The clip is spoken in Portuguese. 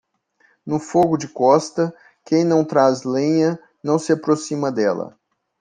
No fogo de Costa, quem não traz lenha, não se aproxima dela.